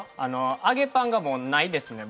揚げパンがもうないですね